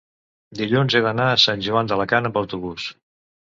Dilluns he d'anar a Sant Joan d'Alacant amb autobús.